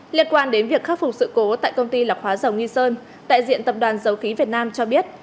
liên quan đến việc khắc phục sự cố tại công ty lọc hóa dầu nghi sơn đại diện tập đoàn dầu khí việt nam cho biết